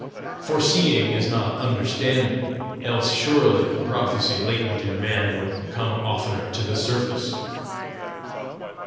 Foreseeing is not understanding, else surely the prophecy latent in man would come oftener to the surface!